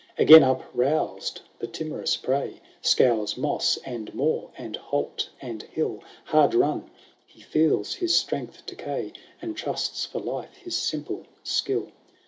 XXII Again up roused the timorous prey Scours moss, and moor, and holt, and hill ; Hard run, he feels his strength decay, And trusts for life his simple skill.